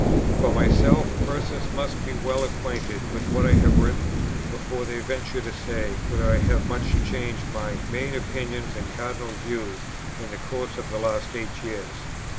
"For myself, persons must be well acquainted with what I have written before they venture to say whether I have much changed my main opinions and cardinal views in the course of the last eight years.